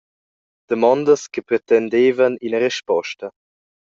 Damondas che pretendevan ina risposta.